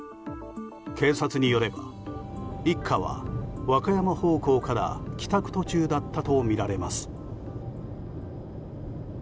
警察によれば一家は和歌山方向から帰宅途中だったとみられます。